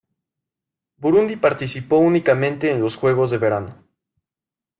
Burundi participó únicamente en los juegos de verano.